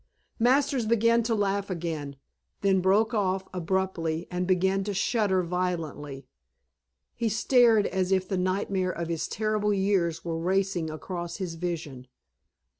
Masters began to laugh again, then broke off abruptly and began to shudder violently. He stared as if the nightmare of his terrible years were racing across his vision.